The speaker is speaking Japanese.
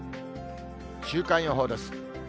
週間予報です。